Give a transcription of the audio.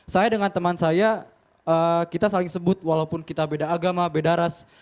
saya dengan teman saya kita saling sebut walaupun kita beda agama beda ras